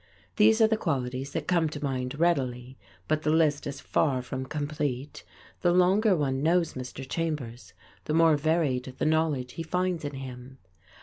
These are the qualities that come to mind readily, but the list is far from complete. The longer one knows Mr. Chambers, the more varied the knowledge he finds in him.